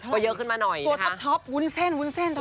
ก็เยอะขึ้นมาหน่อยนะคะโทปวุ้นเส้นเท่าไร